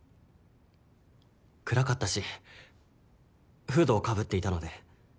暗かったしフードをかぶっていたので。